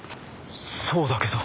そうだけど。